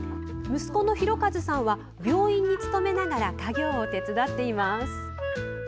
息子の大和さんは病院に勤めながら家業を手伝っています。